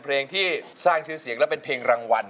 เพลงที่เจ็ดเพลงที่แปดแล้วมันจะบีบหัวใจมากกว่านี้